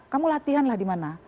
kamu latihan lah di mana